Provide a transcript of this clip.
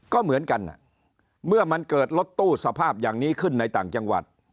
ก็เหมือนกันเมื่อมันเกิดรถตู้สภาพอย่างนี้ขึ้นในต่างจังหวัด